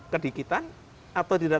kedikitan atau tidak